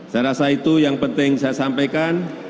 saya rasa itu yang penting saya sampaikan